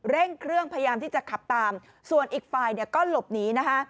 เร่งเครื่องพยายามที่จะขับตามส่วนอีกฝ่ายเนี่ยก็หลบหนีนะคะ